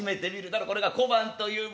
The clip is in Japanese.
これが小判というものだ。